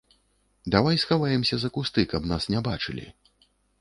Давай схаваемся за кусты, каб нас не бачылі.